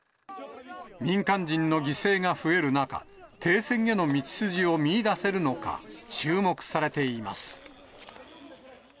民間人の犠牲が増える中、停戦への道筋を見いだせるのか、注目されています。